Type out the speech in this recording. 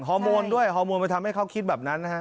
ฮอร์โมนด้วยฮอร์โมนไปทำให้เขาคิดแบบนั้นนะฮะ